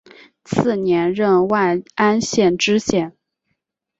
次年任万安县知县。